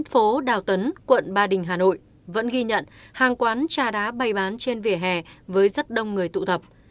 hà nội vẫn ghi nhận hàng quán trà đá bay bán trên vỉa hè với rất đông người tụ tập